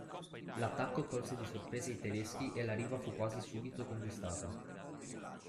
L'attacco colse di sorpresa i tedeschi e la Riva fu quasi subito conquistata.